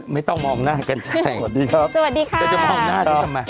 ไม่ต้องมองหน้ากันใช่สวัสดีครับสวัสดีค่ะเธอจะมองหน้าฉันทำไม